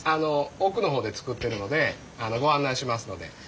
奥の方で造ってるのでご案内しますので。